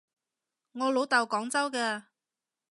我老豆廣州嘅